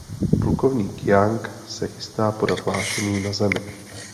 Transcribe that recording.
Plukovník Young se chystá podat hlášení na Zemi.